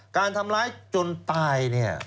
การทำร้ายจนตาย